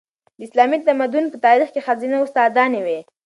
د اسلامي تمدن په تاریخ کې ښځینه استادانې وې.